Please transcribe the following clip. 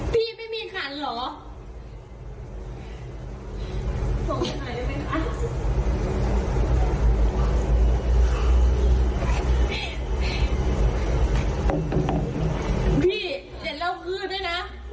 พี่ไม่มีคันเหรอ